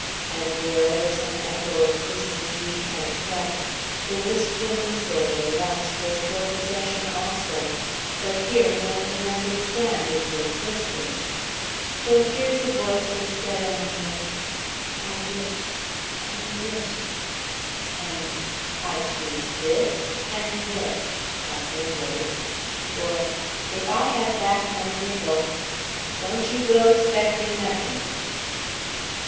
And wherever some echo of Christmas Week had crept, the wistfulness or the lust was for possession also; but here one could understand its insistence. So here the voices said only, "I wish I wish," and "I choose this and this," at windows; or, "If I had back my nickel...." "Don't you go expecting nothink!"